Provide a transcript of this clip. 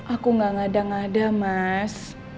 aku gak ngadah ngadah mas